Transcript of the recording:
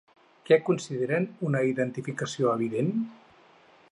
Què consideren una indefensió evident?